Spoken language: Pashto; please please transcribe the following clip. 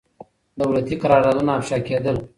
دولتي قراردادونه افشا کېدل.